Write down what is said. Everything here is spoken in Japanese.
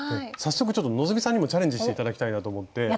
早速ちょっと希さんにもチャレンジして頂きたいなと思って。